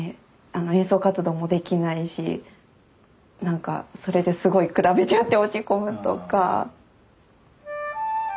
演奏活動もできないし何かそれですごい比べちゃって落ち込むとか。